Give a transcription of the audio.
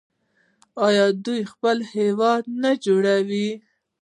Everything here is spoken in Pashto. آیا دوی خپل هیواد نه جوړوي؟